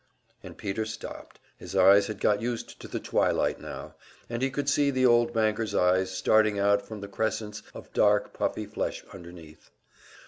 '" And Peter stopped. His eyes had got used to the twilight now, and he could see the old banker's eyes starting out from the crescents of dark, puffy flesh underneath.